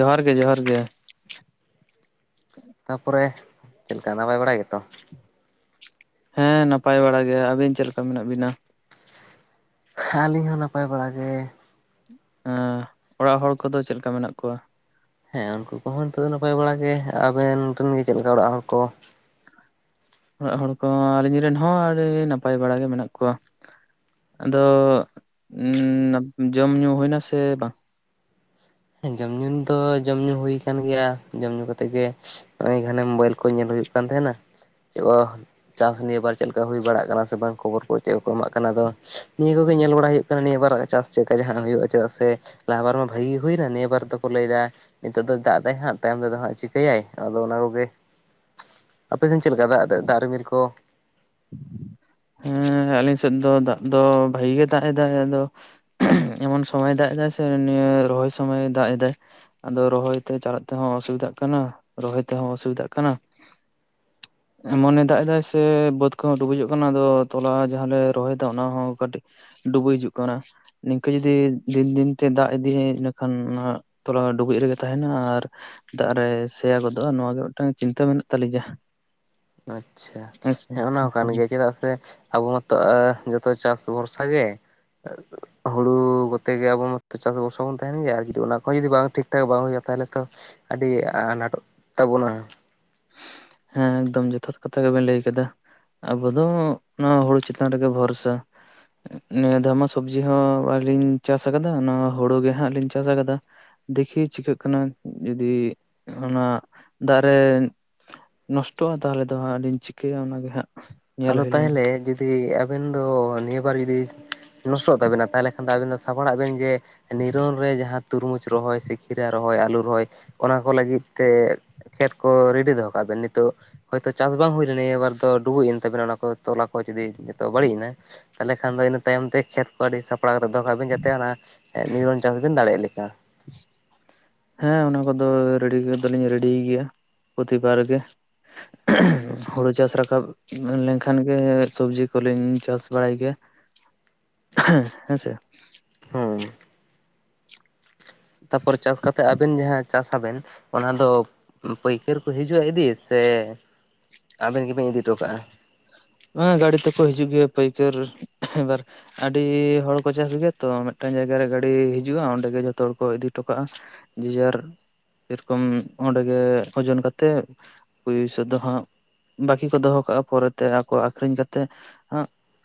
ᱡᱚᱦᱟᱨ ᱜᱮ ᱡᱚᱦᱟᱨ ᱜᱮ, ᱛᱟᱯᱚᱨᱮ, ᱪᱮᱫ ᱞᱮᱠᱟ ᱱᱟᱯᱟᱭ ᱵᱟᱲᱟᱭ ᱜᱮ ᱛᱚ, ᱦᱮᱸ, ᱱᱟᱯᱟᱭ ᱵᱟᱲᱟ ᱜᱮᱭᱟ ᱟᱵᱤᱱ ᱪᱮᱫ ᱞᱮᱠᱟ ᱢᱮᱱᱟᱜ ᱵᱤᱱᱟ? ᱟᱹᱞᱤᱧ ᱦᱚᱸ ᱱᱟᱯᱟᱭ ᱵᱟᱲᱟ ᱜᱮ, ᱚᱲᱟᱜ ᱦᱚᱲ ᱠᱚ ᱫᱚ ᱪᱮᱫ ᱞᱮᱠᱟ ᱢᱮᱱᱟᱜ ᱠᱚᱣᱟ? ᱦᱮᱸ ᱩᱱᱠᱩ ᱠᱚ ᱦᱚᱸ ᱱᱤᱛᱳᱜ ᱫᱚ ᱱᱟᱯᱟᱭ ᱵᱟᱲᱟ ᱜᱮ ᱟᱵᱮᱱ ᱨᱮᱱ ᱜᱮ ᱪᱮᱫ ᱞᱮᱠᱟ ᱚᱲᱟᱜ ᱦᱚᱲ ᱠᱚ? ᱚᱲᱟᱜ ᱦᱚᱲ ᱠᱚ ᱟᱹᱞᱤᱧ ᱨᱮᱱ ᱦᱚᱸ ᱟᱹᱰᱤ ᱱᱟᱯᱟᱭ ᱵᱟᱲᱟ ᱜᱮ ᱢᱮᱱᱟᱜ ᱠᱚᱣᱟ, ᱟᱫᱚ ᱡᱚᱢ ᱧᱩ ᱦᱳᱭ ᱱᱟᱥᱮ ᱵᱟᱝ? ᱦᱮᱸ ᱡᱚᱢ ᱧᱩ ᱫᱚ ᱡᱚᱢ ᱧᱩ ᱦᱩᱭ ᱟᱠᱟᱱ ᱜᱮᱭᱟ ᱡᱚᱢ ᱧᱩ ᱠᱟᱛᱮᱜ ᱜᱮ ᱦᱚᱜ-ᱚᱭ ᱜᱷᱟᱱᱮ ᱢᱳᱵᱟᱭᱤᱞ ᱠᱚ ᱧᱮᱞ ᱦᱳᱭᱳᱜ ᱾ ᱠᱟᱱ ᱛᱟᱦᱮᱱᱟ, ᱚᱻ ᱪᱟᱥ ᱱᱤᱭᱟᱹᱵᱟ ᱪᱮᱫ ᱞᱮᱠᱟ ᱦᱩᱭ ᱵᱟᱲᱟᱜ ᱠᱟᱱᱟ ᱥᱮ ᱵᱟᱝ ᱠᱷᱚᱵᱚᱨ ᱠᱚ ᱪᱮᱫ ᱠᱚ ᱮᱢᱟᱜ ᱠᱟᱱᱟ ᱟᱫᱚ ᱱᱤᱭᱟᱹ ᱠᱚ ᱜᱮ ᱧᱮᱞ ᱵᱟᱲᱟ ᱦᱳᱭᱳᱜ ᱱᱤᱭᱟᱹ ᱵᱟᱨ ᱪᱟᱥ ᱪᱮᱫ ᱞᱮᱠᱟ ᱡᱟᱦᱟᱸ ᱦᱩᱭᱩᱜ ᱪᱮᱫᱟᱜ ᱥᱮ ᱞᱟᱦᱟ ᱵᱟᱨ ᱢᱟ ᱵᱷᱟᱹᱜᱤ ᱦᱩᱭᱱᱟ ᱱᱤᱭᱟᱹ ᱵᱟᱨ ᱫᱚ ᱠᱚ ᱞᱟᱹᱭᱫᱟ ᱾ ᱱᱤᱛᱳᱜ ᱫᱚ ᱫᱟᱜ ᱛᱟᱭ ᱦᱟᱸᱜ ᱛᱟᱭᱚᱢ ᱛᱮ ᱫᱚ ᱦᱟᱸᱜ ᱪᱤᱠᱟᱹᱭᱟ ᱟᱫᱚ ᱚᱱᱟ ᱠᱚ ᱜᱮ, ᱟᱯᱮ ᱥᱮᱫ ᱪᱮᱫ ᱞᱮᱠᱟ ᱫᱟᱜ ᱨᱤᱢᱤᱞ ᱠᱚ? ᱦᱮᱸ ᱟᱞᱤᱧ ᱥᱮᱫ ᱫᱚ ᱫᱟᱜ ᱫᱚ ᱵᱷᱟᱜᱮ ᱜᱮ ᱛᱟᱦᱮᱸᱟᱭ ᱟᱫᱚ ᱮᱢᱚᱱ ᱥᱚᱢᱚᱭ ᱫᱟᱜ ᱫᱟ ᱥᱮ ᱱᱤᱭᱟᱹ ᱨᱚᱦᱚᱭ ᱥᱚᱢᱚᱭ ᱫᱟᱜ ᱮᱫᱟᱭ, ᱟᱫᱚ ᱨᱚᱦᱚᱭ ᱛᱮ ᱪᱟᱞᱟᱜ ᱛᱮ ᱦᱚᱸ ᱚᱥᱩᱵᱤᱫᱟᱜ ᱠᱟᱱᱟ ᱨᱚᱦᱚᱭ ᱛᱮ ᱦᱚᱸ ᱚᱥᱩᱵᱤᱫᱟᱜ ᱠᱟᱱᱟ ᱾ ᱮᱢᱚᱱᱮ ᱫᱟᱜ ᱮᱫᱟᱭ ᱥᱮ ᱵᱟᱹᱛ ᱠᱚ ᱰᱩᱵᱩᱡᱚᱜ ᱠᱟᱱᱟ ᱟᱫᱚ, ᱛᱚᱞᱟ ᱡᱟᱦᱟᱸᱞᱮ ᱨᱚᱦᱚᱭᱮᱫᱟ ᱚᱱᱟ ᱦᱚᱸ ᱠᱟᱹᱴᱤᱡ ᱰᱩᱵᱟᱹᱡ ᱦᱤᱡᱩᱜ ᱠᱟᱱᱟ᱾ ᱱᱤᱝᱠᱟᱹ ᱡᱩᱫᱤ ᱫᱤᱱ ᱫᱤᱱᱛᱮ ᱫᱟᱜ ᱤᱫᱤᱭᱟᱭ ᱤᱱᱟᱹᱠᱷᱟᱱ ᱱᱟᱦᱟᱜ ᱛᱚᱞᱟ ᱦᱚᱸ ᱰᱩᱵᱩᱡ ᱨᱮ ᱜᱮ ᱛᱟᱦᱮᱱᱟ ᱟᱨ ᱫᱟᱜ ᱨᱮ ᱥᱮᱭᱟ ᱜᱚᱫᱚᱜᱼᱟ ᱱᱚᱣᱟ ᱜᱮ ᱢᱤᱫᱴᱟᱝ ᱪᱤᱱᱛᱟᱹ ᱢᱮᱱᱟᱜ ᱛᱟᱹᱞᱤᱡᱟ᱾ ᱟᱪᱪᱷᱟ, ᱦᱮ ᱚᱱᱟ ᱦᱚᱸ ᱠᱟᱱ ᱜᱮᱭᱟ, ᱪᱮᱫᱟᱜ ᱥᱮ ᱟᱵᱚ ᱡᱚᱛᱚ ᱪᱟᱥ ᱵᱷᱚᱨᱥᱟ ᱜᱮ, ᱦᱩᱲᱩ ᱠᱚᱛᱮ ᱜᱮ ᱟᱵᱚ ᱢᱟᱛᱚ ᱪᱟᱥ ᱵᱷᱚᱨᱥᱟ ᱵᱚᱱ ᱛᱟᱦᱮᱱ ᱜᱮᱭᱟ ᱟᱨ ᱡᱩᱫᱤ ᱚᱱᱟ ᱠᱚ ᱡᱩᱫᱤ ᱵᱟᱝ ᱴᱷᱤᱠ ᱴᱷᱟᱠ ᱵᱟᱝ ᱦᱳᱭᱳᱜᱼᱟ ᱛᱟᱦᱞᱮ ᱛᱚ ᱟᱹᱰᱤ ᱟᱱᱟᱴᱚᱜ ᱛᱟ-ᱵᱚᱱᱟ᱾ ᱦᱮᱸ, ᱮᱠᱫᱚᱢ ᱡᱚᱛᱷᱟᱛ ᱠᱟᱛᱷᱟ ᱜᱮᱵᱮᱱ ᱞᱟᱹᱭ ᱠᱮᱫᱟ ᱾ ᱟᱵᱚ ᱫᱚ ᱱᱚᱣᱟ ᱦᱳᱲᱳ ᱪᱮᱛᱟᱱ ᱨᱮ ᱜᱮ ᱵᱷᱚᱨᱥᱟ ᱾ ᱱᱤᱭᱟᱹ ᱫᱷᱟᱣᱢᱟ ᱥᱚᱵᱽᱡᱤ ᱦᱚᱸ ᱵᱟᱞᱤᱧ ᱪᱟᱥ ᱟᱠᱟᱫᱟ ᱚᱱᱟ ᱦᱳᱲᱳ ᱜᱮ ᱦᱟᱸᱜ ᱞᱤᱧ ᱪᱟᱥ ᱟᱠᱟᱫᱟ᱾ ᱫᱮᱠᱷᱤ ᱪᱤᱠᱟᱹᱜ ᱠᱟᱱᱟ, ᱡᱩᱫᱤ ᱚᱱᱟ ᱫᱟᱜ ᱨᱮ ᱱᱚᱥᱴᱚᱜᱼᱟ ᱛᱟᱦᱚᱞᱮ ᱫᱚ ᱦᱟᱸᱜ ᱞᱤᱧ ᱪᱤᱠᱟᱹᱭᱟ ᱚᱱᱟᱜᱮ ᱦᱟᱸᱜ ᱾ ᱟᱫᱚ ᱛᱟᱦᱮᱞᱮ ᱡᱩ ᱡᱩᱫᱤ ᱟᱵᱮᱱ ᱫᱚ ᱱᱤᱭᱟᱹ ᱵᱟᱨ ᱡᱩᱫᱤ ᱱᱚᱥᱴᱚᱜ ᱛᱟᱵᱮᱱᱟ ᱛᱟᱦᱮᱞᱮ ᱠᱷᱟᱱ ᱫᱚ ᱟᱵᱮᱱ ᱫᱚ ᱥᱟᱯᱲᱟᱜ ᱵᱮᱱ ᱡᱮ ᱱᱤᱨᱚᱱ ᱨᱮ ᱡᱟᱦᱟᱸ ᱛᱩᱨᱢᱩᱡᱽ ᱨᱚᱦᱚᱭ ᱥᱮ ᱠᱷᱤᱨᱟ ᱨᱚᱦᱚᱭ, ᱟᱹᱞᱩ ᱨᱚᱦᱚᱭ ᱚᱱᱟ ᱠᱚ ᱞᱟᱹᱜᱤᱫ ᱛᱮ ᱠᱷᱮᱛ ᱠᱚ ᱨᱮᱰᱤ ᱫᱚᱦᱚ ᱠᱟᱜ ᱵᱮᱱ ᱱᱤᱛᱳᱜ ᱦᱳᱭ ᱛᱚ ᱪᱟᱥ ᱵᱟᱝ ᱦᱳᱭ ᱞᱮᱱᱟ ᱱᱤᱭᱟᱹᱵᱟᱨ ᱫᱚ ᱰᱩᱵᱩᱡ ᱮᱱ ᱚᱱᱟ ᱛᱚᱞᱟ ᱠᱚ ᱡᱩᱫᱤ ᱡᱚᱛᱚ ᱵᱟᱹᱲᱤᱡ ᱮᱱᱟ, ᱛᱟᱞᱮ ᱠᱷᱟᱱ ᱫᱚ ᱤᱱᱟᱹ ᱛᱟᱭᱚᱢ ᱛᱮ ᱠᱷᱮᱛ ᱠᱚ ᱟᱹᱰᱤ [unintelligible] ᱫᱚᱦᱚ ᱠᱟᱜ ᱵᱤᱱ ᱡᱟᱛᱮ ᱚᱱᱟ ᱱᱤᱨᱚᱱ ᱪᱟᱥ ᱵᱮᱱ ᱫᱟᱲᱮᱭᱟᱜ ᱞᱮᱠᱟ᱾ [unintelligible] ᱦᱮᱸ ᱚᱱᱟ ᱠᱚᱫᱚ ᱨᱮᱰᱤ ᱫᱚᱞᱤᱧ ᱨᱮᱰᱤᱭ ᱜᱮᱭᱟ ᱯᱨᱚᱛᱤᱵᱟᱨ ᱜᱮ᱾ ᱦᱳᱲᱳ ᱪᱟᱥ ᱨᱟᱠᱟᱵ ᱞᱮᱱᱠᱷᱟᱱ ᱜᱮ ᱥᱚᱵᱡᱤ ᱠᱚᱞᱤᱧ ᱪᱟᱥ ᱵᱟᱲᱟᱭ ᱜᱮᱭᱟ ᱦᱮ ᱦᱮᱸᱥᱮ᱾ ᱦᱩᱸ ᱛᱟᱯᱚᱨᱮ ᱪᱟᱥ ᱠᱟᱛᱮᱜ ᱟᱵᱮᱱ ᱡᱟᱦᱟᱸ ᱪᱟᱥ ᱟᱵᱮᱱ ᱚᱱᱟᱫᱚ ᱯᱟᱹᱭᱠᱟᱹᱨ ᱠᱚ ᱦᱤᱡᱩᱜᱼᱟ ᱤᱫᱤ ᱥᱮ ᱟᱵᱮᱱ ᱜᱮᱵᱮᱱ ᱤᱫᱤ ᱦᱚᱴᱚ ᱠᱟᱜᱼᱟ? ᱵᱟᱝ ᱟ ᱜᱟᱰᱤ ᱛᱮᱠᱚ ᱦᱤᱡᱩᱜ ᱜᱮᱭᱟ ᱯᱟᱹᱭᱠᱟᱹᱨ ᱢᱤᱫᱵᱟᱨ ᱟᱹᱰᱤ ᱦᱚᱲᱠᱚ ᱪᱟᱥ ᱜᱮᱭᱟ ᱛᱚ ᱢᱮᱫᱴᱟᱱ ᱡᱟᱭᱜᱟᱨᱮ ᱜᱟᱹᱰᱤ ᱦᱤᱡᱩᱜᱼᱟ ᱚᱸᱰᱮᱜᱮ ᱡᱷᱚᱛᱚ ᱦᱚᱲ ᱠᱚ ᱤᱫᱤ ᱦᱚᱴᱚ ᱠᱟᱜᱼᱟ᱾ ᱡᱮᱡᱟᱨ ᱥᱮᱨᱚᱠᱚᱢ ᱚᱸᱰᱮᱜᱮ ᱳᱡᱚᱱ ᱠᱟᱛᱮᱜ ᱯᱩᱭᱥᱟᱹ ᱫᱚ ᱦᱟᱸᱜ ᱵᱟᱠᱤ ᱠᱚ ᱫᱚᱦᱚ ᱠᱟᱜᱼᱟ ᱯᱚᱨᱮᱛᱮ ᱟᱯ ᱠᱚ ᱟᱠᱷᱨᱤᱧ ᱠᱟᱛᱮᱜ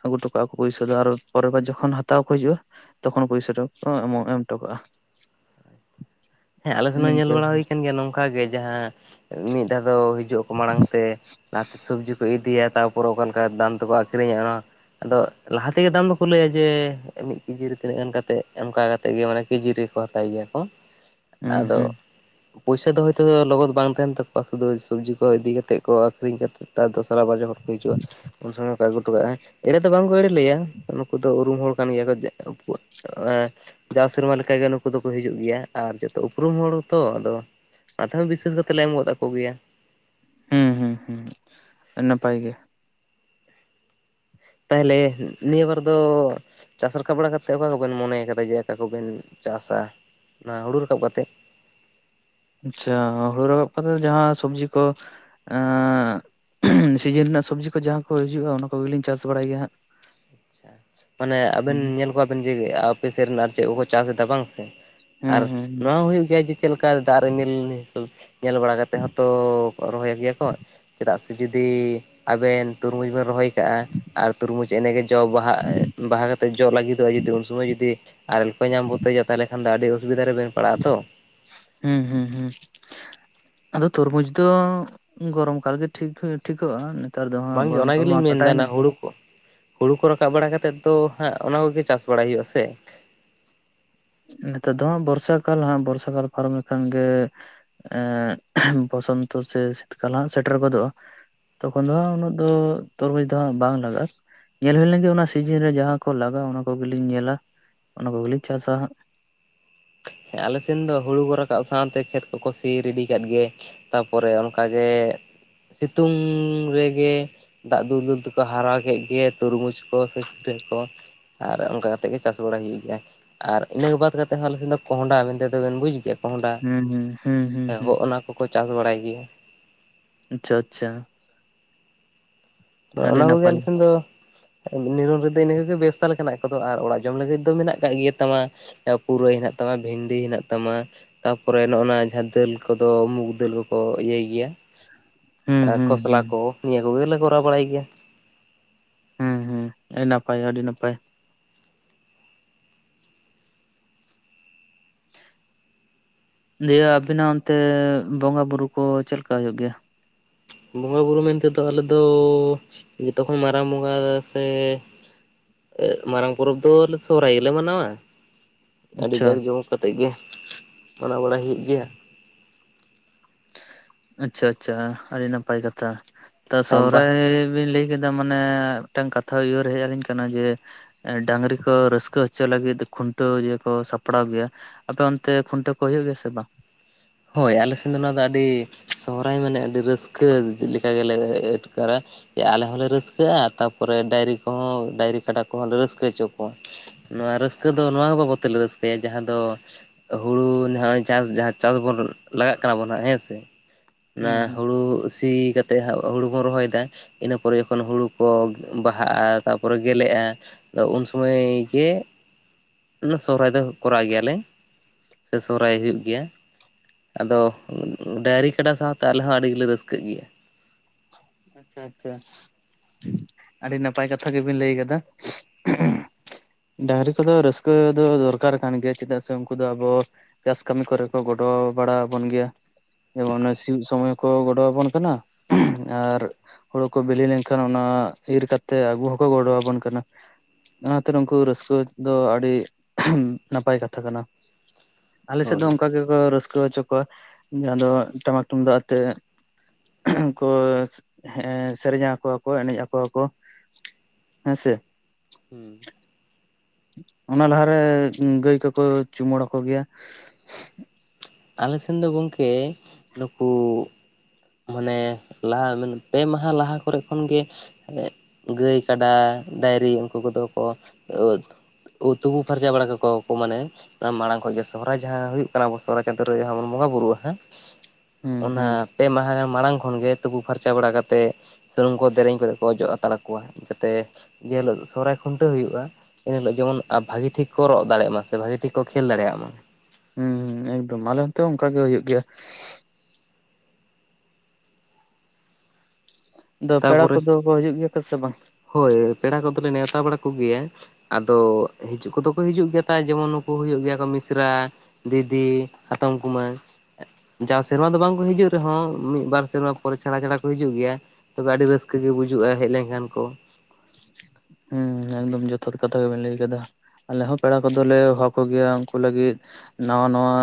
ᱟᱹᱜᱩ ᱦᱚᱴᱚ ᱠᱟᱜᱼᱟ ᱠᱚ ᱯᱩᱭᱥᱟᱹ ᱫᱚ ᱟᱨ ᱯᱚᱨᱮᱨ ᱵᱟᱨ ᱡᱚᱠᱷᱚᱱ ᱦᱟᱛᱟᱣ ᱠᱚ ᱦᱤᱡᱩᱜᱼᱟ ᱛᱚᱠᱷᱚᱱ ᱯᱩᱭᱥᱟ [unintelligible] ᱮᱢ ᱴᱚᱠᱟᱜᱟ᱾ ᱦᱮᱸ ᱟᱞᱮ ᱥᱮᱱ ᱦᱚᱸ ᱧᱮᱞ ᱵᱟᱲᱟ ᱦᱳᱭ ᱠᱟᱱ ᱜᱮᱭᱟ ᱱᱚᱝᱠᱟ ᱜᱮ ᱡᱟᱦᱟᱸ ᱢᱤᱫ ᱫᱷᱟᱣ ᱫᱚ ᱦᱤᱡᱩᱜ ᱟᱠᱚ ᱢᱟᱲᱟᱝ ᱛᱮ ᱞᱟᱦᱟᱛᱮ ᱥᱚᱵᱡᱤ ᱠᱚ ᱤᱫᱤᱭᱟ ᱛᱟᱵ [unintelligible] ᱫᱟᱢ ᱛᱮᱠᱚ ᱟᱠᱷᱨᱤᱧᱟ ᱚᱱᱟ ᱟᱫᱚ ᱞᱟᱦᱟ ᱛᱮᱜᱮ ᱫᱟᱢ ᱫᱚᱠᱚ ᱞᱟᱹᱭᱟ ᱡᱮ ᱢᱤᱫ ᱠᱮᱡᱤ ᱨᱮ ᱛᱤᱱᱟᱹᱜ ᱜᱟᱱ ᱠᱟᱛᱮᱫ ᱚᱱᱠᱟ ᱠᱟᱛᱮᱫ ᱜᱮ ᱢᱟᱱᱮ ᱠᱮᱡᱤ ᱨᱮᱠᱚ ᱦᱟᱛᱟᱭ ᱜᱮᱭᱟ ᱠᱚ ᱦᱩᱸ ᱟᱫᱚ ᱦᱩᱸ ᱯᱩᱭᱥᱟᱹ ᱫᱚ ᱦᱳᱭᱛᱚ ᱞᱚᱜᱚᱫ ᱵᱟᱝ ᱛᱟᱦᱮᱱ ᱛᱟᱠᱚᱣᱟ ᱥᱩᱫᱷᱩ ᱥᱚᱵᱡᱤ ᱠᱚ ᱤᱫᱤ ᱠᱟᱛᱮᱫ ᱠᱚ ᱟᱠᱷᱨᱤᱧ ᱠᱟᱛᱮ ᱛᱟᱨ ᱫᱚᱥᱨᱟ ᱵᱟᱨ ᱡᱚᱠᱷᱚᱱ ᱠᱚ ᱦᱤᱡᱩᱜᱼᱟ ᱩᱱ ᱥᱚᱢᱚᱭ ᱠᱚ ᱟᱹᱜᱩ ᱦᱚᱴᱚ ᱠᱟᱜᱼᱟ ᱾ᱮᱲᱮ ᱫᱚ ᱵᱟᱝᱠᱚ ᱮᱲᱮ ᱞᱮᱭᱟ ᱱᱩᱠᱩ ᱫᱚ ᱩᱨᱩᱢ ᱦᱚᱲ ᱠᱟᱱ ᱜᱮᱭᱟ ᱠᱚ [unintelligible] ᱮ ᱡᱟᱣ ᱥᱮᱨᱢᱟ ᱞᱮᱠᱟᱜᱮ ᱱᱩᱠᱩ ᱫᱚᱠᱚ ᱦᱤᱡᱩᱜ ᱜᱮᱭᱟ ᱟᱨ ᱪᱮᱫ ᱛᱚ ᱩᱯᱨᱩᱢ ᱦᱚᱲ ᱛᱚ ᱟᱫᱚ ᱟᱛᱷᱟᱱ ᱵᱤᱥᱥᱟᱹᱥ ᱠᱟᱛᱮ ᱞᱮ ᱮᱢ ᱜᱚᱫ ᱟᱠᱚᱜᱮᱭᱟ᱾ ᱦᱩᱸ ᱦᱩᱸ ᱦᱩᱸ ᱱᱟᱯᱟᱭ ᱜᱮ᱾ ᱛᱟᱦᱮᱞᱮ ᱱᱤᱭᱟᱹ ᱵᱟᱨ ᱫᱚ ᱪᱟᱥ ᱨᱟᱠᱟᱵ ᱵᱟᱲᱟ ᱠᱟᱛᱮ ᱚᱠᱟ ᱠᱚᱵᱮᱱ ᱢᱚᱱᱮᱭ ᱟᱠᱟᱫᱟ ᱡᱮ ᱚᱠᱟ ᱠᱚᱵᱮᱱ ᱪᱟᱥᱟ ᱚᱱᱟ ᱦᱳᱲᱳ ᱨᱟᱠᱟᱵ ᱠᱟᱛᱮᱫ? ᱪᱷᱟ ᱦᱳᱲᱳ ᱨᱟᱠᱟᱵ ᱠᱟᱛᱮᱫ ᱡᱟᱦᱟᱸ ᱥᱚᱵᱡᱤ ᱠᱚ ᱮᱸ ᱥᱤᱡᱤᱱ ᱨᱮᱱᱟᱜ ᱥᱚᱵᱽᱡᱤ ᱠᱚ ᱡᱟᱦᱟᱸ ᱠᱚ ᱦᱤᱡᱩᱜᱼᱟ ᱚᱱᱟ ᱠᱚᱜᱮᱞᱤᱧ ᱪᱟᱥ ᱵᱟᱲᱟᱭ ᱜᱮᱭᱟ ᱦᱟᱸᱜ᱾ ᱟᱪᱪᱷᱟ, ᱢᱟᱱᱮ ᱟᱵᱮᱱ ᱧᱮᱞ ᱠᱚᱣᱟᱵᱮᱱ ᱡᱮ ᱟᱯᱮ ᱥᱮᱫ ᱨᱮᱱ ᱟᱨ ᱪᱮᱫ ᱠᱚᱠᱚ ᱪᱟᱥ ᱮᱫᱟ ᱵᱟᱝ ᱥᱮ? ᱦᱩᱸ ᱟᱨ ᱦᱩᱸ ᱱᱚᱣᱟ ᱦᱳᱭᱳᱜ ᱜᱮᱭᱟ ᱡᱮ ᱪᱮᱫ ᱞᱮᱠᱟ ᱫᱟᱜ ᱨᱤᱢᱤᱞ ᱦᱤᱥᱟᱹᱵ ᱧᱮᱞ ᱵᱟᱲᱟ ᱠᱟᱛᱮ ᱦᱚᱸᱛᱚ ᱨᱚᱦᱚᱭ ᱜᱮᱭᱟ ᱠᱚ ᱪᱮᱫᱟᱜᱥ ᱡᱩᱫᱤ ᱟᱵᱮᱱ ᱛᱩᱨᱢᱩᱡᱽ ᱵᱮᱱ ᱨᱚᱦᱚᱭ ᱠᱟᱜᱼᱟ ᱟᱨ ᱛᱩᱨᱢᱩᱡᱽ ᱮᱱᱮ ᱜᱮ ᱡᱚ ᱵᱟᱦᱟ ᱵᱟᱦᱟ ᱠᱟᱛᱮ ᱡᱚ ᱞᱟᱹᱜᱤᱫᱚᱜᱼᱟ ᱡᱩᱫᱤ ᱩᱱ ᱥᱚᱢᱚᱭ ᱡᱩᱫᱤ ᱟᱨᱮᱞᱠᱚᱭ ᱧᱟᱢ ᱵᱚᱛᱮᱡᱟ ᱛᱟᱦᱚᱞᱮ ᱠᱷᱟᱱ ᱫᱚ ᱟᱹᱰᱤ ᱚᱥᱩᱵᱤᱫᱟ ᱨᱮ ᱵᱮᱱ ᱯᱟᱲᱟᱜᱼᱟ ᱛᱚ ᱾ ᱦᱩᱸ ᱦᱩᱸ ᱦᱩᱸ ᱟᱫᱚ ᱛᱚᱨᱢᱩᱡᱽ ᱫᱚ ᱜᱚᱨᱚᱢ ᱠᱟᱞ ᱜᱮ ᱴᱷᱤᱠ ᱴᱷᱤᱠᱚᱜᱼᱟ᱾ ᱱᱮᱛᱟᱨ ᱫᱚ ᱵᱟᱝ ᱦᱟᱸᱜ ᱜᱮ ᱜᱚᱨᱚᱢ ᱚᱱᱟ ᱠᱟᱞ ᱢᱟ ᱜᱮᱞᱤᱧ ᱢᱮᱱ ᱫᱟ ᱠᱟᱴᱟᱭᱮᱱᱟ ᱦᱩᱲᱩ ᱠᱚ ᱦᱩᱲᱩ ᱠᱚ ᱨᱟᱠᱟᱵ ᱵᱟᱲᱟ ᱠᱟᱛᱮ ᱛᱚ ᱦᱟᱸᱜ ᱚᱱᱟ ᱠᱚᱜᱮ ᱪᱟᱥ ᱵᱟᱲᱟᱭ ᱦᱩᱭᱩᱜᱼᱟ ᱥᱮ᱾ ᱱᱮᱛᱟᱨ ᱫᱚ ᱦᱟᱸᱜ ᱵᱚᱨᱥᱟ ᱠᱟᱞ ᱦᱟᱸᱜ ᱵᱚᱨᱥᱟ ᱠᱟᱞ ᱯᱟᱨᱚᱢ ᱞᱮᱠᱷᱟᱱ ᱜᱮ ᱮ ᱵᱚᱥᱚᱱᱛᱚ ᱥᱮ ᱥᱤᱛᱠᱟᱞ ᱥᱮᱴᱮᱨ ᱜᱚᱫᱚᱜᱼᱟ᱾ ᱛᱚᱠᱷᱚᱱ ᱫᱚ ᱦᱟᱸᱜ ᱩᱱᱟᱹᱜ ᱫᱚ ᱛᱚᱨᱢᱩᱡᱽ ᱫᱚ ᱦᱟᱸᱜ ᱵᱟᱝ ᱞᱟᱜᱟᱜᱼᱟ᱾ ᱧᱮᱞ ᱦᱩᱭ ᱞᱮᱱ ᱜᱮ ᱚᱱᱟ ᱠᱚ ᱥᱤᱡᱤᱱ ᱨᱮ ᱡᱟᱦᱟᱸ ᱠᱚ ᱞᱟᱜᱟᱜ ᱚᱱᱟ ᱠᱚᱜᱮ ᱞᱤᱧ ᱧᱮᱞᱟ ᱚᱱᱟ ᱠᱚᱜᱮ ᱞᱤᱧ ᱪᱟᱥᱟ ᱦᱟᱜ᱾ ᱦᱮᱸ ᱟᱞᱮ ᱥᱮᱱ ᱫᱚ ᱦᱩᱲᱩ ᱠᱚ ᱨᱟᱠᱟᱵ ᱥᱟᱶᱛᱮ ᱠᱷᱮᱛ ᱠᱚᱠᱚ ᱥᱤ ᱨᱤᱰᱤ ᱠᱟᱜ ᱜᱮ᱾ ᱛᱟᱯᱚᱨᱮ ᱚᱱᱠᱟ ᱜᱮ ᱥᱤᱛᱩᱝ ᱨᱮᱜᱮ ᱫᱟᱜ ᱫᱩᱞ ᱫᱩᱞ ᱛᱮᱠᱚ ᱦᱟᱨᱟ ᱠᱮᱫ ᱜᱮ ᱛᱩᱨᱢᱩᱡᱽ ᱠᱚ ᱥᱮ ᱠᱷᱤᱨᱟᱹ ᱠᱚ ᱾ ᱟᱨ ᱚᱱᱠᱟ ᱠᱟᱛᱮ ᱜᱮ ᱪᱟᱥ ᱵᱟᱲᱟ ᱦᱩᱭᱩᱜ ᱜᱮᱭᱟ ᱟᱨ ᱤᱱᱟᱹ ᱠᱚ ᱵᱟᱫ ᱠᱟᱛᱮ ᱦᱚᱸ ᱟᱞᱮ ᱥᱮᱱ ᱫᱚ᱾ ᱠᱚᱸᱦᱰᱟ ᱢᱮᱱᱛᱮ ᱫᱚ ᱵᱮᱱ ᱵᱩᱡ ᱜᱮᱭᱟ, ᱠᱚᱸᱦᱰᱟᱸ ᱦᱩᱸ ᱦᱩᱸ ᱦᱩᱸ ᱦᱩᱸ ᱦᱚᱜᱼᱚᱱᱟ ᱠᱚᱠᱚ ᱪᱟᱥ ᱵᱟᱲᱟᱭ ᱜᱮᱭᱟ᱾ ᱟᱪᱪᱷᱟ ᱟᱪᱪᱷᱟ᱾ ᱟᱹᱰᱤ ᱚᱱᱟ ᱠᱚ ᱜᱮ ᱱᱟᱯᱟᱭ ᱟᱞᱮ ᱥᱮᱱ ᱫᱚ᱾ ᱱᱤᱨᱩᱱ ᱨᱮᱫᱚ ᱤᱱᱟᱹ ᱠᱚᱜᱮ ᱵᱮᱵᱥᱟ ᱞᱮᱠᱟᱱᱟᱜ ᱠᱚᱫᱚ ᱟᱨ ᱚᱲᱟᱜ ᱡᱚᱢ ᱞᱟᱹᱜᱤᱫ ᱫᱚ ᱢᱮᱱᱟᱜ ᱟᱠᱟᱜ ᱜᱮᱭᱟ ᱛᱟᱢᱟ᱾ ᱯᱩᱨᱟᱹᱭ ᱦᱮᱱᱟᱜ ᱛᱟᱢᱟ, ᱵᱷᱤᱱᱰᱤ ᱦᱮᱱᱟᱜ ᱛᱟᱢᱟ᱾ ᱛᱟᱯᱚᱨᱮ ᱱᱚᱜᱼᱱᱟ ᱡᱟᱦᱟᱸ ᱫᱟᱹᱞ ᱠᱚᱫᱚ ᱢᱩᱠᱽ ᱫᱟᱹᱞ ᱠᱚᱠᱚ ᱤᱭᱟᱹᱭ ᱜᱮᱭᱟ᱾ ᱦᱩᱸ ᱟᱨ ᱦᱩᱸ ᱠᱷᱚᱥᱞᱟ ᱦᱩᱸ ᱠᱚ ᱱᱤᱭᱟᱹ ᱠᱚ ᱜᱮᱞᱮ ᱠᱚᱨᱟᱣ ᱵᱟᱲᱟᱭ ᱜᱮᱭᱟ᱾ ᱦᱩᱸ ᱦᱩᱸ, ᱟᱹᱰᱤ ᱱᱟᱯᱟᱭ ᱟᱹᱰᱤ ᱱᱟᱯᱟᱭ᱾ ᱫᱤᱭᱮ ᱟᱵᱤᱱᱟᱜ ᱚᱱᱛᱮ ᱵᱚᱸᱜᱟ ᱵᱩᱨᱩ ᱠᱚ ᱪᱮᱫ ᱞᱮᱠᱟ ᱦᱩᱭᱩᱜ ᱜᱮᱭᱟ? ᱵᱚᱸᱜᱟ ᱵᱩᱨᱩ ᱢᱮᱱᱛᱮ ᱫᱚ ᱟᱞᱮ ᱫᱚ ᱡᱚᱛᱚ ᱠᱷᱚᱱᱚᱱ ᱢᱟᱨᱟᱝ ᱵᱚᱸᱜᱟ ᱥᱮ᱾ ᱢᱟᱨᱟᱝ ᱯᱚᱨᱚᱵᱽ ᱫᱚ ᱥᱚᱦᱚᱨᱟᱭ ᱜᱮᱞᱮ ᱢᱟᱱᱟᱣᱟ᱾ ᱟᱹᱰᱤ ᱟᱪᱪᱷᱟ ᱡᱟᱠᱡᱚᱢᱚᱠ ᱠᱟᱛᱮ ᱜᱮ ᱢᱟᱱᱟᱣ ᱵᱟᱲᱟᱭ ᱦᱩᱭᱩᱜ ᱜᱮᱭᱟ᱾ ᱟᱪᱪᱷᱟ ᱟᱪᱪᱷᱟ, ᱟᱹᱰᱤ ᱱᱟᱯᱟᱭ ᱠᱟᱛᱷᱟ ᱾ ᱛᱚ ᱵᱟ ᱥᱚᱦᱨᱟᱭ ᱵᱤᱱ ᱞᱟᱹᱭ ᱠᱮᱫᱟ ᱢᱟᱱᱮ ᱢᱤᱫᱴᱟᱝ ᱠᱟᱛᱷᱟ ᱩᱭᱦᱟᱹᱨᱮ ᱦᱮᱡ ᱟᱹᱞᱤᱧ ᱠᱟᱱᱟ, ᱡᱮ, ᱰᱟᱝᱨᱤ ᱠᱚ ᱨᱟᱹᱥᱠᱟᱹ ᱦᱚᱪᱚ ᱞᱟᱹᱜᱤᱫ ᱠᱷᱩᱱᱴᱟᱹᱣ ᱠᱚ ᱥᱟᱯᱲᱟᱣ ᱜᱮᱭᱟ᱾ ᱟᱯᱮ ᱚᱱᱛᱮ ᱠᱷᱩᱱᱟᱹᱣ ᱠᱚ ᱦᱩᱭᱩᱜ ᱜᱮᱭᱟ ᱥᱮ ᱵᱟᱝ? ᱦᱳᱭ, ᱟᱞᱮ ᱥᱮᱱ ᱫᱚ ᱱᱚᱣᱟ ᱫᱚ ᱟᱹᱰᱤ, ᱥᱚᱦᱨᱟᱭ ᱢᱟᱱᱮ ᱟᱹᱰᱤ ᱨᱟᱹᱥᱠᱟᱹ ᱞᱮᱠᱟ ᱜᱮᱞᱮ ᱟᱴᱠᱟᱨᱟ᱾ ᱟᱞᱮ ᱦᱚᱸᱞᱮ ᱨᱟᱹᱥᱠᱟᱹᱜᱼᱟ, ᱛᱟᱨᱯᱚᱨᱮ ᱰᱟᱭᱨᱤ ᱠᱚᱦᱚᱸ ᱰᱟᱭᱨᱤᱼᱠᱟᱰᱟ ᱠᱚᱦᱚᱸ ᱞᱮ ᱨᱟᱹᱥᱠᱟᱹ ᱦᱚᱪᱚ ᱠᱚᱣᱟ᱾ ᱱᱚᱣᱟ ᱨᱟᱹᱥᱠᱟᱹ ᱫᱚ ᱱᱚᱣᱟ ᱦᱚᱸ ᱵᱟᱵᱚᱫ ᱛᱮᱞᱮ ᱨᱟᱹᱥᱠᱟᱹᱭᱟ ᱡᱟᱦᱟᱸ ᱫᱚ᱾ ᱦᱩᱲᱩ ᱱᱚᱜᱼᱚᱭ ᱪᱟᱥ ᱡᱟᱦᱟᱸ ᱪᱟᱥ ᱵᱚᱱ, ᱞᱟᱜᱟᱜ ᱠᱟᱱᱟ ᱵᱚᱱ ᱦᱮᱸᱥᱮ, ᱚᱱᱟ ᱦᱩᱸ ᱦᱩᱸ ᱦᱩᱲᱩ ᱥᱤ ᱠᱟᱛᱮ, ᱛᱮ ᱦᱟᱸᱜ ᱦᱩᱲᱩ ᱵᱚᱱ ᱨᱚᱦᱚᱭ ᱫᱟ, ᱤᱱᱟᱹ ᱯᱚᱨᱮ ᱡᱚᱠᱷᱚᱱ ᱦᱩᱲᱩ ᱠᱚ ᱵᱟᱦᱟᱜᱼᱟ, ᱛᱟᱨᱯᱚᱨᱮ ᱜᱮᱞᱮᱜᱼᱟ ᱾ ᱟᱫᱚ ᱩᱱ ᱥᱚᱢᱚᱭ ᱜᱮ᱾ ᱥᱚᱦᱨᱟᱭ ᱫᱚ ᱠᱚᱨᱟᱣ ᱜᱮᱭᱟᱞᱮ, ᱥᱮ ᱥᱚᱦᱨᱟᱭ ᱦᱩᱭᱩᱜ ᱜᱮᱭᱟ᱾ ᱟᱫᱚ ᱰᱟᱭᱨᱤ, ᱠᱟᱰᱟ ᱥᱟᱶᱛᱮ ᱟᱞᱮ ᱦᱚᱸ ᱟᱹᱰᱤ ᱜᱮᱞᱮ ᱨᱟᱹᱥᱠᱟᱹᱜ ᱜᱮᱭᱟ ᱾ ᱟᱪᱪᱷᱟ ᱟᱪᱪᱷᱟ ᱟᱹᱰᱤ ᱱᱟᱯᱟᱭ ᱠᱟᱛᱷᱟ ᱜᱮ ᱵᱤᱱ ᱞᱟᱹᱭ ᱠᱟᱫᱟ ᱾ ᱰᱟᱹᱭᱨᱤ ᱠᱚᱫᱚ ᱨᱟᱹᱥᱠᱟᱹ ᱫᱚ ᱫᱚᱨᱠᱟᱨ ᱠᱟᱱ ᱜᱮᱭᱟ, ᱪᱮᱫᱟᱜ ᱥᱮ ᱩᱱᱠᱩ ᱫᱚ ᱟᱵᱚ, ᱪᱟᱥ ᱠᱟᱹᱢᱤ ᱠᱚᱨᱮ ᱠᱚ ᱜᱚᱲᱚ ᱵᱟᱲᱟ ᱟᱵᱚᱱ ᱜᱮᱭᱟ᱾ ᱡᱮᱢᱚᱱ ᱥᱤᱭᱳᱜ ᱥᱚᱢᱚᱭ ᱠᱚ ᱜᱚᱲᱚ ᱟᱵᱚᱱ ᱠᱟᱱᱟ ᱟᱨ᱾ ᱦᱩᱲᱩ ᱠᱚ ᱵᱤᱞᱤ ᱞᱮᱱ ᱠᱷᱟᱱ ᱚᱱᱟ ᱤᱨ ᱠᱟᱛᱮ ᱟᱹᱜᱩ ᱦᱚᱸᱠᱚ ᱜᱚᱲᱚ ᱟᱵᱚᱱ ᱠᱟᱱᱟ ᱾ ᱚᱱᱟᱛᱮ ᱩᱱᱠᱩ ᱨᱟᱹᱥᱠᱟᱹ ᱫᱚ ᱟᱹᱰᱤ ᱱᱟᱯᱟᱭ ᱠᱟᱛᱷᱟ ᱠᱟᱱᱟ ᱾ ᱟᱞᱮ ᱥᱮᱫ ᱫᱚ ᱦᱳᱭ ᱚᱱᱠᱟ ᱜᱮ ᱠᱚ ᱨᱟᱹᱥᱠᱟᱹ ᱦᱚᱪᱚ ᱠᱚᱣᱟ, ᱡᱟᱦᱟᱸ ᱫᱚ ᱴᱟᱢᱟᱠ ᱛᱩᱢᱫᱟᱜ ᱟᱛᱮ ᱾ ᱩᱱ ᱠᱚᱥᱻ ᱦᱮᱸ, ᱥᱮᱨᱮᱧᱟ ᱟᱠᱚᱣᱟ ᱠᱚ, ᱮᱱᱮᱡ ᱟᱠᱚᱣᱟ ᱠᱚ ᱦᱮᱸᱥᱮ? ᱦᱩᱸ, ᱚᱱᱟ ᱞᱟᱦᱟᱨᱮ ᱜᱟᱹᱭ ᱠᱚᱠᱚ ᱪᱩᱢᱟᱹᱲᱟ ᱠᱚ ᱜᱮᱭᱟ ᱟᱞᱮ ᱥᱮᱱ ᱫᱚ ᱜᱚᱝᱠᱮ ᱱᱩᱠᱩ᱾ ᱢᱟᱱᱮ ᱞᱟᱦᱟ ᱯᱮ ᱢᱟᱦᱟ ᱞᱟᱦᱟ ᱠᱚᱨᱮ ᱠᱷᱚᱱ ᱜᱮ᱾ ᱮᱫ ᱜᱟᱹᱭ ᱠᱟᱰᱟ ᱰᱟᱝᱨᱤ ᱩᱱᱠᱩ ᱠᱚᱫᱚ ᱠᱚ ᱟᱹᱫ᱾ ᱛᱩᱯᱩ ᱯᱷᱟᱨᱪᱟ ᱵᱟᱲᱟ ᱠᱟᱠᱚᱣᱟ ᱠᱚ ᱢᱟᱱᱮ ᱢᱟᱲᱟᱝ ᱠᱷᱚᱱ ᱜᱮ ᱥᱚᱦᱚᱨᱟᱭ ᱡᱟᱦᱟᱸ ᱦᱩᱭᱩᱜ ᱠᱟᱱᱟ᱾ ᱥᱚᱦᱨᱟᱭ ᱪᱟᱸᱫᱚ ᱨᱮᱜᱮ ᱡᱟᱦᱟᱸ ᱵᱚᱱ ᱵᱚᱸᱜᱟ ᱵᱩᱨᱩᱜᱼᱟ ᱦᱟᱜ ᱦᱩᱸ ᱚᱱᱟ᱾ ᱦᱩᱸ ᱯᱮ ᱢᱟᱦᱟ ᱢᱟᱲᱟᱝ ᱠᱷᱚᱱ ᱜᱮ ᱛᱩᱯᱩ ᱯᱷᱟᱨᱪᱟ ᱵᱟᱲᱟ ᱠᱟᱛᱮ ᱥᱩᱱᱩᱢ ᱠᱚ ᱫᱮᱨᱮᱧ ᱠᱚᱨᱮᱜ ᱠᱚ ᱚᱡᱚᱜ ᱦᱟᱛᱟᱲ ᱟᱠᱚᱣᱟ ᱡᱟᱛᱮ ᱡᱮᱦᱤᱞᱳᱜ ᱥᱚᱦᱚᱨᱟᱭ ᱠᱷᱩᱱᱴᱟᱹᱣ ᱦᱩᱭᱩᱜᱼᱟ᱾ ᱮᱱᱦᱤᱞᱳᱜ ᱡᱮᱢᱚᱱ ᱟᱨ ᱵᱷᱟᱹᱜᱤ ᱴᱷᱤᱠ ᱠᱚ ᱨᱚᱜ ᱫᱟᱲᱮᱜ ᱢᱟ ᱥᱮ ᱵᱷᱟᱜᱮ ᱴᱷᱤᱠ ᱠᱚ ᱠᱷᱮᱞ ᱫᱟᱲᱮᱭᱟᱜ ᱢᱟ। ᱦᱮᱸ ᱦᱮᱸ ᱮᱠᱫᱚᱢ ᱟᱞᱮ ᱚᱱᱛᱮ ᱦᱚᱸ ᱚᱱᱠᱟ ᱜᱮ ᱦᱩᱭᱩᱜ ᱜᱮᱭᱟ। ᱟᱫᱚ ᱯᱮᱲᱟ ᱛᱟᱯᱚᱨᱮ ᱠᱚᱫᱚ ᱠᱚ ᱦᱤᱡᱩᱜ ᱜᱮᱭᱟ ᱠᱚ ᱥᱮ ᱵᱟᱝ? ᱦᱳᱭ ᱯᱮᱲᱟ ᱠᱚᱫᱚᱞᱮ ᱱᱮᱣᱛᱟ ᱵᱟᱲᱟ ᱠᱚᱜᱮᱭᱟ᱾ ᱟᱫᱚ ᱦᱤᱡᱩᱜ ᱠᱚᱫᱚ ᱠᱚ ᱦᱤᱡᱩᱜ ᱜᱮᱭᱟ ᱛᱟᱭ ᱡᱮᱢᱚᱱ ᱱᱩᱠᱩ ᱦᱩᱭᱩᱜ ᱜᱮᱭᱟ ᱠᱚ ᱢᱤᱥᱨᱟ᱾ ᱫᱤᱫᱤ, ᱦᱟᱛᱚᱢ ᱠᱩᱢᱟᱝ᱾ ᱡᱟᱣ ᱥᱮᱨᱢᱟ ᱫᱚ ᱵᱟᱝᱠᱚ ᱦᱤᱡᱩᱜ ᱨᱮᱦᱚᱸ ᱢᱤᱫ ᱵᱟᱨ ᱥᱮᱨᱢᱟ ᱯᱚᱨᱮ ᱪᱷᱟᱲᱟ ᱪᱷᱟᱲᱟ ᱠᱚ ᱦᱤᱡᱩᱜ ᱜᱮᱭᱟ। ᱛᱚᱵᱮ ᱟᱹᱰᱤ ᱨᱟᱹᱥᱠᱟᱹ ᱜᱮ ᱵᱩᱡᱩᱜᱼᱟ ᱦᱮᱡ ᱞᱮᱱᱠᱷᱟᱱ ᱠᱚ। ᱦᱩᱸ ᱮᱠᱫᱚᱢ ᱡᱚᱛᱷᱟᱛ ᱠᱟᱛᱷᱟ ᱜᱮᱵᱮᱱ ᱞᱟᱹᱭ ᱠᱟᱫᱟ᱾ ᱟᱞᱮ ᱦᱚᱸ ᱯᱮᱲᱟ ᱠᱚᱫᱚᱞᱮ ᱦᱚᱦᱚ ᱟᱠᱚᱜᱮᱭᱟ ᱩᱱᱠᱩ ᱞᱟᱹᱜᱤᱫ ᱱᱟᱣᱟ ᱱᱟᱣᱟ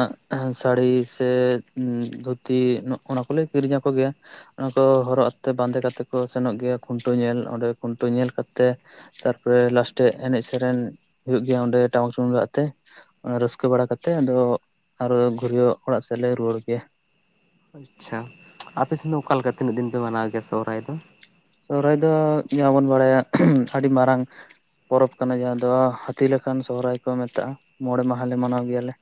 ᱥᱟᱹᱲᱤ ᱥᱮ ᱫᱷᱩᱛᱤ ᱱᱚᱜ-ᱚᱱᱟ ᱠᱚᱞᱮ ᱠᱤᱨᱤᱧ ᱟᱠᱚᱜᱮᱭᱟ। ᱚᱱᱟ ᱠᱚ ᱦᱚᱨᱚᱜ ᱛᱮ ᱵᱟᱸᱫᱮ ᱠᱟᱛᱮᱫ ᱠᱚ ᱥᱮᱱᱚᱜ ᱜᱮᱭᱟ ᱠᱷᱩᱱᱴᱟᱹᱣ ᱧᱮᱞ᱾ ᱚᱸᱰᱮ ᱠᱷᱩᱱᱴᱟᱹᱣ ᱧᱮᱞ ᱠᱟᱛᱮ ᱛᱟᱨ ᱯᱚᱨᱮ ᱞᱟᱥᱴᱮ ᱮᱱᱮᱡ ᱥᱮᱨᱮᱧ ᱦᱩᱭᱩᱜ ᱜᱮᱭᱟ ᱚᱸᱰᱮ ᱴᱟᱢᱟᱠ ᱛᱩᱢᱫᱟᱜ ᱟᱛᱮ᱾ ᱨᱟᱹᱥᱠᱟᱹ ᱵᱟᱲᱟ ᱠᱟᱛᱮᱜ ᱟᱫᱚ ᱟᱨᱚ ᱜᱷᱩᱨᱣᱟᱹ ᱚᱲᱟᱜ ᱥᱮᱫ ᱞᱮ ᱨᱩᱣᱟᱹᱲ ᱜᱮᱭᱟ। ᱟᱪᱪᱷᱟ, ᱟᱯᱮᱥᱮᱱ ᱫᱚ ᱚᱠᱟᱞᱮᱠᱟ ᱛᱤᱱᱟᱹᱜ ᱫᱤᱱ ᱯᱮ ᱢᱟᱱᱟᱣ ᱜᱮᱭᱟ ᱥᱚᱦᱚᱨᱟᱭ ᱫᱚ? ᱥᱚᱦᱚᱨᱟᱭ ᱫᱚ ᱡᱟᱦᱟᱸ ᱵᱚᱱ ᱵᱟᱲᱟᱭᱟ ᱟᱹᱰᱤ ᱢᱟᱨᱟᱝ ᱯᱚᱨᱚᱵᱽ ᱠᱟᱱᱟ ᱡᱟᱦᱟᱸ ᱫᱚ ᱦᱟᱹᱛᱤ ᱞᱮᱠᱟᱱ ᱥᱚᱦᱚᱨᱟᱭ ᱠᱚ ᱢᱮᱛᱟᱜᱼᱟ᱾ ᱢᱚᱬᱮ ᱢᱟᱦᱟ ᱞᱮ ᱢᱟᱱᱟᱣ ᱜᱮᱭᱟ ᱞᱮ।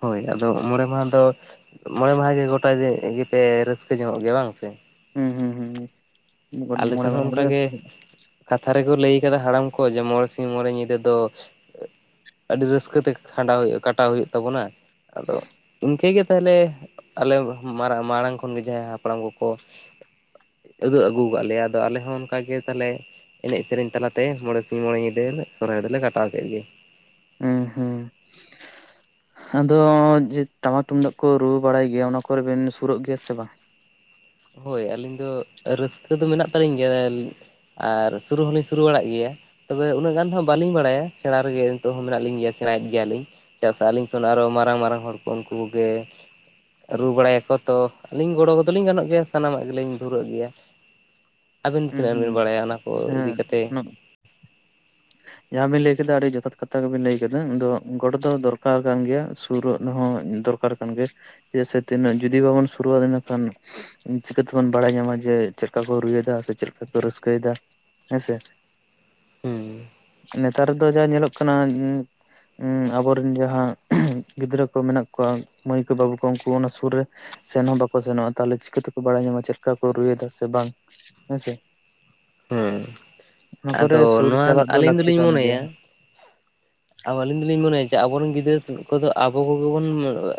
ᱦᱳᱭ ᱟᱫᱚ ᱢᱚᱬᱮ ᱢᱟᱦᱟ ᱫᱚ ᱢᱚᱬᱮ ᱢᱟᱦᱟ ᱜᱮ ᱜᱚᱴᱟ ᱡᱮ ᱜᱮᱯᱮ ᱨᱟᱹᱥᱠᱟᱹ ᱧᱚᱝᱚᱜ ᱜᱮᱭᱟ ᱵᱟᱝ ᱥᱮ? ᱦᱩᱸ ᱦᱩᱸ ᱦᱩᱸ ᱟᱞᱮ ᱢᱚᱬᱮ ᱥᱮᱱ ᱦᱚᱸ ᱢᱟᱦᱟᱸ ᱜᱮᱞᱮ ᱚᱱᱠᱟᱜᱮ ᱨᱟᱹᱥᱠᱟ ᱡᱚᱝᱟ-ᱟ᱾ ᱠᱟᱛᱷᱟ ᱨᱮᱠᱚ ᱞᱟᱹᱭ ᱟᱠᱟᱫᱟ ᱦᱟᱲᱟᱢ ᱠᱚ ᱡᱮ ᱢᱚᱬᱮ ᱥᱤᱧ ᱢᱚᱬᱮ ᱧᱤᱫᱟᱹ ᱫᱚ ᱟᱹᱰᱤ ᱨᱟᱹᱥᱠᱟᱹᱛᱮ ᱠᱷᱟᱸᱰᱟᱣ ᱦᱩᱭᱩᱜᱼᱟ ᱠᱟᱴᱟᱣ ᱦᱩᱭᱩᱜ ᱛᱟᱵᱚᱱᱟ ᱟᱫᱚ ᱤᱱᱠᱟᱹᱜᱮ ᱛᱟᱦᱚᱞᱮ ᱟᱞᱮ ᱢᱟᱨᱟᱝ ᱢᱟᱲᱟᱝ ᱠᱷᱚᱱᱜᱮ ᱡᱟᱦᱟᱸᱭ ᱦᱟᱯᱲᱟᱢ ᱠᱚᱠᱚ ᱩᱫᱩᱜ ᱟᱹᱜᱩᱣ ᱠᱟᱜ ᱞᱮᱭᱟ ᱟᱫᱚ ᱟᱞᱮ ᱦᱚᱸ ᱚᱱᱠᱟᱜᱮ ᱛᱟᱦᱚᱞᱮ ᱮᱱᱮᱡ ᱥᱮᱨᱮᱧ ᱛᱟᱞᱟᱛᱮ ᱢᱚᱬᱮ ᱥᱤᱧ ᱢᱚᱬᱮ ᱧᱤᱫᱟᱹᱞᱮ ᱥᱚᱨᱦᱟᱭ ᱫᱚᱞᱮ ᱠᱟᱴᱟᱣ ᱠᱮᱫ ᱜᱮ। ᱩᱸ ᱦᱩᱸ। ᱟᱫᱚ ᱡᱮ ᱴᱟᱢᱟᱠ ᱛᱩᱢᱫᱟᱜ ᱠᱚ ᱨᱩ ᱵᱟᱲᱟᱭ ᱜᱮᱭᱟ ᱚᱱᱟ ᱠᱚᱨᱮ ᱵᱮᱱ ᱥᱩᱨᱩᱜ ᱜᱮᱭᱟ ᱥᱮ ᱵᱟᱝ? ᱦᱳᱭ ᱟᱹᱞᱤᱧ ᱫᱚ ᱨᱟᱹᱥᱠᱟᱹ ᱫᱚ ᱢᱮᱱᱟᱜ ᱛᱟᱹᱟᱞᱤᱧ ᱜᱮᱭᱟᱞᱤᱧ ᱟᱨ ᱥᱩᱨᱩ ᱦᱚᱞᱤᱧ ᱥᱩᱨᱩ ᱵᱟᱲᱟᱜ ᱜᱮᱭᱟ। ᱛᱚᱵᱮ ᱩᱱᱟᱹᱜ ᱜᱟᱱ ᱫᱚ ᱦᱟᱸᱜ ᱵᱟᱹᱞᱤᱧ ᱵᱟᱲᱟᱭᱟ ᱥᱮᱸᱬᱟ ᱨᱮᱜᱮ ᱱᱤᱛᱚᱜ ᱦᱚᱸ ᱢᱮᱱᱟᱜ ᱞᱤᱧ ᱜᱮᱭᱟ ᱥᱮᱬᱟᱭᱮᱫ ᱜᱮᱭᱟᱞᱤᱧ। ᱪᱮᱫᱟᱜ ᱥᱮ ᱟᱹᱞᱤᱧ ᱠᱷᱚᱱ ᱢᱟᱨᱟᱝ ᱢᱟᱨᱟᱝ ᱦᱚᱲ ᱠᱚ ᱩᱱᱠᱩ ᱠᱚᱜᱮ ᱨᱩ ᱵᱟᱲᱟᱭᱟᱠᱚ ᱛᱚ ᱟᱹᱞᱤᱧ ᱜᱚᱲᱚ ᱠᱚᱫᱚᱞᱤᱧ ᱜᱟᱱᱚᱜ ᱜᱮᱭᱟ ᱥᱟᱱᱟᱢᱟᱜ ᱜᱮᱞᱤᱧ ᱫᱷᱩᱨᱟᱹᱜ ᱜᱮᱭᱟ। ᱟᱵᱤᱱ ᱫᱚ ᱦᱩᱸ ᱛᱤᱱᱟᱹᱜ ᱜᱟᱱ ᱵᱮᱱ ᱦᱩᱸ ᱵᱟᱲᱟᱭᱟ ᱚᱱᱟ ᱠᱚ ᱤᱫᱤ ᱠᱟᱛᱮ? [inaudible] ᱡᱟᱦᱟᱸᱵᱤᱱ ᱞᱟᱹᱭ ᱠᱮᱫᱟ ᱟᱹᱰᱤ ᱡᱚᱛᱷᱟᱛ ᱠᱟᱛᱷᱟ ᱜᱮᱵᱤᱱ ᱞᱟᱹᱭ ᱠᱮᱫᱟ᱾ ᱟᱫᱚ ᱜᱚᱲᱚ ᱫᱚ ᱫᱚᱨᱚᱠᱟᱨ ᱠᱟᱱ ᱜᱮᱭᱟ᱾ ᱥᱩᱨᱚᱜ ᱨᱮᱦᱚᱸ ᱫᱚᱨᱠᱟᱨ ᱠᱟᱱ ᱜᱮᱭᱟ ᱪᱮᱫᱟᱜ ᱥᱮ ᱛᱤᱱᱟᱹᱜ ᱡᱩᱫᱤ ᱵᱟᱵᱚᱱ ᱥᱩᱨᱩᱜ-ᱟ ᱟᱫᱚ ᱤᱱᱟᱹ ᱠᱷᱟᱱ ᱪᱤᱠᱟᱹᱛᱮᱵᱚᱱ ᱵᱟᱲᱟᱭ ᱧᱟᱢᱟ ᱡᱮ ᱪᱮᱫᱠᱟ ᱠᱚ ᱨᱩᱭᱮᱫᱟ ᱥᱮ ᱪᱮᱫ ᱞᱮᱠᱟ ᱠᱚ ᱨᱟᱹᱥᱠᱟᱹᱭᱫᱟ ᱦᱮᱸ ᱥᱮ? ᱦᱩᱸ ᱱᱮᱛᱟᱨ ᱫᱚ ᱡᱟ ᱧᱮᱞᱚᱜ ᱠᱟᱱᱟ ᱩᱸ ᱩᱸ ᱟᱵᱚᱨᱮᱱ ᱡᱟᱦᱟᱸ ᱜᱤᱫᱽᱨᱟᱹ ᱠᱚ ᱢᱮᱱᱟᱜ ᱠᱚᱣᱟ ᱢᱟᱹᱭ ᱠᱚ ᱵᱟᱹᱵᱩ ᱠᱚ ᱩᱱᱠᱩ ᱚᱱᱟ ᱥᱩᱨ ᱨᱮ ᱥᱮᱱ ᱦᱚᱸ ᱵᱟᱠᱚ ᱥᱮᱱᱚᱜᱼᱟ ᱛᱟᱦᱚᱞᱮ ᱪᱤᱠᱟᱹ ᱛᱮᱠᱚ ᱵᱟᱲᱟᱭ ᱧᱟᱢᱟ ᱪᱮᱫ ᱞᱮᱠᱟ ᱠᱚ ᱨᱩᱭᱮᱫᱟ ᱥᱮ ᱵᱟᱝ ᱦᱮᱸᱥᱮ। ᱦᱮᱸ ᱚᱱᱟ ᱟᱫᱚ ᱠᱚᱨᱮ ᱥᱩᱨ ᱱᱚᱣᱟᱫ ᱪᱟᱞᱟᱜ ᱫᱚ ᱟᱹᱞᱤᱧ ᱞᱟᱹᱠᱛᱤ ᱫᱚᱞᱤᱧ ᱠᱟᱱ ᱜᱮᱭᱟ ᱢᱚᱱᱮᱭᱟ ᱟᱵ ᱟᱹᱞᱤᱧ ᱫᱚᱞᱤᱧ ᱢᱚᱱᱮᱭᱟ ᱡᱮ ᱟᱵᱚᱨᱮᱱ ᱜᱤᱫᱽᱟᱹᱨᱟ ᱠᱚᱫᱚ ᱟᱵᱚ ᱠᱚᱜᱮ ᱵᱚᱱ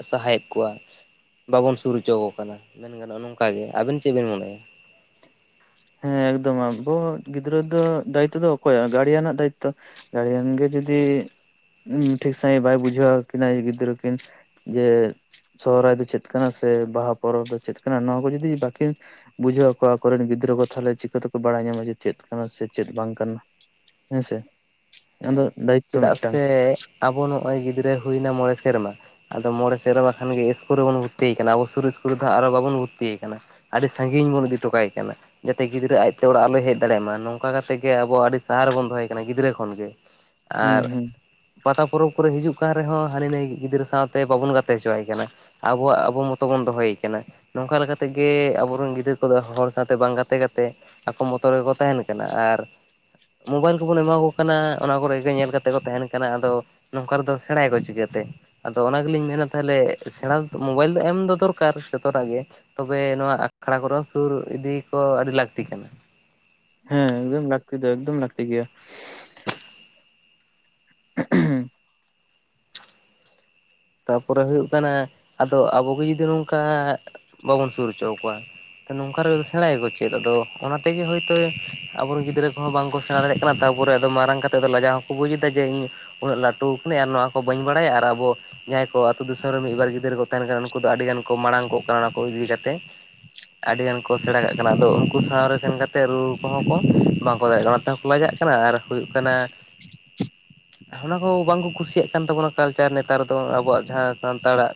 ᱥᱟᱦᱟᱭᱮᱫ ᱠᱚᱣᱟ᱾ ᱵᱟᱵᱚᱱ ᱥᱩᱨ ᱦᱚᱪᱚᱣᱟᱠᱚ ᱠᱟᱱᱟ ᱢᱮᱱ ᱜᱟᱱᱚᱜᱼᱟ ᱱᱚᱝᱠᱟ ᱜᱮ᱾ ᱟᱵᱮᱱ ᱪᱮᱫ ᱵᱮᱱ ᱢᱚᱱᱮᱭᱟ? ᱦᱮᱸ ᱮᱠᱫᱚᱢ ᱟᱵᱚ ᱜᱤᱫᱽᱨᱟᱹ ᱫᱚ ᱫᱟᱭᱤᱛᱛᱚ ᱫᱚ ᱚᱠᱚᱭᱟᱜ ᱜᱟᱲᱤᱭᱟᱱᱟᱜ ᱫᱟᱭᱤᱛᱛᱚ᱾ ᱜᱟᱲᱭᱮᱱ ᱜᱮ ᱡᱩᱫᱤ ᱩᱸ ᱴᱷᱤᱠ ᱥᱟᱹᱦᱤᱡ ᱵᱟᱭ ᱵᱩᱡᱷᱟᱹᱣ ᱟᱠᱤᱱᱟᱭ ᱜᱤᱫᱽᱨᱟᱹ ᱠᱤᱱ ᱡᱮ ᱥᱚᱦᱚᱨᱟᱭ ᱫᱚ ᱪᱮᱫ ᱠᱟᱱᱟ ᱥᱮ ᱵᱟᱦᱟ ᱯᱚᱨᱚᱵᱽ ᱫᱚ ᱪᱮᱫ ᱠᱟᱱᱟ ᱱᱚᱣᱟ ᱠᱚ ᱡᱩᱚᱴᱫᱤ ᱵᱟᱠᱤᱱ ᱵᱩᱡᱷᱟᱹᱣ ᱟᱠᱚᱣᱟ ᱟᱠᱚᱨᱮᱱ ᱜᱤᱫᱽᱨᱟᱹ ᱠᱚ, ᱛᱟᱦᱞᱮ ᱪᱤᱠᱟᱹᱛᱮᱠᱚ ᱵᱟᱲᱟᱭ ᱧᱟᱢᱟ ᱡᱮ, ᱪᱮᱫ ᱠᱟᱱᱟ ᱥᱮ ᱪᱮᱫ ᱵᱟᱝ ᱠᱟᱱᱟ ᱦᱮᱸᱥᱮ᱾ ᱟᱫᱚ ᱦᱮᱸ ᱫᱟᱭᱤᱛᱛᱚ ᱪᱮᱫᱟᱜ ᱢᱤᱫᱴᱟᱝ ᱥᱮ ᱟᱵᱚ ᱱᱚᱜᱼᱚᱭ ᱜᱤᱫᱽᱨᱟᱹᱭ ᱦᱩᱭᱱᱟ ᱢᱚᱬᱮ ᱥᱮᱨᱢᱟ, ᱟᱫᱚ ᱢᱚᱬᱮ ᱥᱮᱨᱢᱟ ᱠᱷᱟᱱ ᱜᱮ ᱤᱥᱠᱩᱞ ᱨᱮᱵᱚᱱ ᱵᱷᱚᱛᱛᱤᱭᱮ ᱠᱟᱱᱟ ᱟᱵᱚ ᱥᱩᱨ ᱤᱥᱠᱩᱨ ᱨᱮ ᱫᱚ ᱦᱟᱸᱜ ᱵᱟᱵᱚᱱ ᱵᱷᱚᱛᱛᱤᱭᱮ ᱠᱟᱱᱟ᱾ ᱟᱹᱰᱤ ᱥᱟᱺᱜᱤᱧ ᱵᱚᱱ ᱤᱫᱤᱴᱚ ᱠᱟᱭ ᱠᱟᱱᱟ᱾ ᱡᱟᱛᱮ ᱜᱤᱫᱽᱨᱟᱹ ᱟᱡᱛᱮ ᱚᱲᱟᱜ ᱟᱞᱚᱭ ᱦᱮᱡ ᱫᱟᱲᱮᱭᱟᱜ ᱢᱟ ᱱᱚᱝᱠᱟ ᱠᱟᱛᱮ ᱜᱮ ᱟᱵᱚ ᱟᱹᱰᱤ ᱥᱟᱦᱟᱨ ᱨᱮ ᱵᱚᱱ ᱫᱚᱦᱚᱭᱮ ᱠᱟᱱᱟ ᱜᱤᱫᱽᱨᱟᱹ ᱠᱷᱚᱱᱜ ᱜᱮ᱾ ᱦᱩᱸ ᱟᱨ ᱦᱩᱸ ᱯᱟᱛᱟ ᱯᱚᱨᱚᱵᱽ ᱠᱚᱨᱮ ᱦᱤᱡᱩᱜ ᱠᱟᱱ ᱨᱮᱦᱚᱸ ᱦᱟᱹᱱᱤ ᱱᱷᱟᱹᱭ ᱜᱤᱫᱽᱨᱟᱹ ᱥᱟᱶᱛᱮ ᱵᱟᱵᱚᱱ ᱜᱟᱛᱮ ᱦᱚᱪᱚᱣᱟᱭ ᱠᱟᱱᱟ᱾ ᱟᱵᱚᱣᱟᱜ ᱟᱵᱚ ᱢᱚᱛᱚ ᱵᱚᱱ ᱫᱚᱦᱚᱭᱮ ᱠᱟᱱᱟ᱾ ᱱᱚᱝᱠᱟ ᱞᱮᱠᱟᱛᱮ ᱜᱮ ᱟᱵᱚᱨᱮᱱ ᱜᱤᱫᱽᱨᱟᱹ ᱠᱚᱫᱚ ᱦᱚᱲ ᱥᱟᱶᱛᱮ ᱵᱟᱝ ᱜᱟᱛᱮ ᱠᱟᱛᱮ ᱟᱠᱚ ᱢᱚᱛᱚ ᱨᱮᱜᱮ ᱠᱚ ᱛᱟᱦᱮᱱ ᱠᱟᱱᱟ ᱟᱨ ᱢᱳᱵᱟᱭᱤᱞ ᱠᱚᱵᱚᱱ ᱮᱢᱟ ᱠᱚ ᱠᱟᱱᱟ᱾ ᱚᱱᱟ ᱠᱚᱨᱮ ᱜᱮ ᱧᱮᱞ ᱠᱟᱛᱮ ᱠᱚ ᱛᱟᱦᱮᱱ ᱠᱟᱱᱟ ᱟᱫᱚ ᱱᱚᱝᱠᱟ ᱨᱮᱫᱚ ᱥᱮᱬᱟᱭᱟᱠᱚ ᱪᱤᱠᱟᱹᱛᱮ? ᱟᱫᱚ ᱚᱱᱟ ᱜᱮᱞᱤᱧ ᱢᱮᱱᱟ ᱛᱟᱦᱚᱞᱮ ᱥᱮᱬᱟ ᱢᱳᱵᱟᱭᱤᱞ ᱫᱚ ᱮᱢ ᱫᱚ ᱫᱚᱨᱠᱟᱨ ᱡᱚᱛᱚᱴᱟᱜ ᱜᱮ᱾ ᱛᱚᱵᱮ ᱱᱚᱣᱟ ᱟᱠᱷᱲᱟ ᱠᱚᱨᱮ ᱥᱩᱨ ᱤᱫᱤ ᱠᱚ ᱟᱹᱰᱤ ᱞᱟᱹᱠᱛᱤ ᱠᱟᱱᱟ᱾ ᱦᱮᱸ ᱮᱠᱫᱚᱢ ᱞᱟᱹᱠᱛᱤ ᱫᱚ ᱮᱠᱫᱚᱢ ᱞᱟᱹᱠᱛᱤ ᱜᱮᱭᱟ᱾ [inaudible] ᱛᱟᱨᱯᱚᱨᱮ ᱦᱩᱭᱩᱜ ᱠᱟᱱᱟ ᱟᱫᱚ ᱟᱵᱚᱜᱮ ᱡᱩᱫᱤ ᱱᱚᱝᱠᱟ ᱵᱟᱵᱚᱱ ᱥᱩᱨ ᱦᱚᱪᱚᱣᱟᱠᱚᱣᱟ, ᱛᱟᱞᱦᱮ ᱱᱚᱝᱠᱟ ᱨᱮᱫᱚ ᱥᱮᱬᱟᱭᱟᱠᱚ ᱪᱮᱫ ᱟᱫᱚ ᱚᱱᱟ ᱛᱮᱜᱮ ᱦᱚᱭᱛᱳ ᱟᱵᱚᱨᱮᱱ ᱜᱤᱫᱽᱨᱟᱹ ᱠᱚᱦᱚᱸ ᱵᱟᱝ ᱠᱚ ᱥᱮᱬᱟ ᱫᱟᱲᱮᱜ ᱠᱟᱱᱟ ᱛᱟᱨᱯᱚᱨᱮ ᱟᱫᱚ ᱢᱟᱨᱟᱝ ᱠᱟᱛᱮᱫ ᱫᱚ ᱞᱟᱡᱟᱣ ᱦᱚᱸᱠᱚ ᱵᱩᱡ ᱮᱫᱟ ᱡᱮ ᱤᱧ ᱩᱱᱟᱹᱜ ᱞᱟᱹᱴᱩᱣ ᱠᱟᱹᱱᱟᱧ ᱟᱨ ᱱᱚᱣᱟ ᱠᱚ ᱵᱟᱹᱧ ᱵᱟᱲᱟᱭᱟ ᱟᱨ ᱟᱵᱚ ᱡᱟᱦᱟᱸᱭ ᱠᱚ ᱟᱹᱛᱩ ᱫᱤᱥᱚᱢ ᱨᱮ ᱢᱤᱫ ᱵᱟᱨ ᱜᱤᱫᱽᱨᱟᱹ ᱠᱚ ᱛᱟᱦᱮᱱ ᱠᱟᱱᱟ ᱱᱩᱠᱩ ᱫᱚ ᱟᱹᱰᱤ ᱜᱟᱱ ᱠᱚ ᱢᱟᱲᱟᱝ ᱠᱚᱜ ᱠᱟᱱᱟ ᱚᱱᱟ ᱠᱚ ᱤᱫᱤ ᱠᱟᱛᱮ᱾ ᱟᱹᱰᱤ ᱜᱟᱱ ᱠᱚ ᱥᱮᱬᱟ ᱠᱟᱜ ᱠᱟᱱᱟ, ᱟᱫᱚ ᱩᱱᱠᱩ ᱥᱟᱶ ᱨᱮ ᱥᱮᱱ ᱠᱟᱛᱮᱫ ᱨᱩ ᱠᱚᱦᱚᱸ ᱠᱚ ᱵᱟᱝᱠᱚ ᱫᱟᱲᱮᱭᱟᱜ ᱠᱟᱱᱟ ᱚᱱᱟᱛᱮᱦᱚᱸ ᱞᱟᱡᱟᱜ ᱠᱟᱱᱟ ᱟᱨ ᱦᱩᱭᱩᱜ ᱠᱟᱱᱟ [inaudible] ᱚᱱᱟ ᱠᱚ ᱵᱟᱝᱠᱚ ᱠᱷᱩᱥᱤᱭᱟᱜ ᱠᱟᱱ ᱛᱟᱵᱚᱱᱟ ᱠᱟᱞᱪᱟᱨ ᱱᱮᱛᱟᱨ ᱫᱚ ᱟᱵᱚᱣᱟᱜ ᱡᱟᱦᱟᱸ ᱥᱟᱱᱛᱟᱲᱟᱜ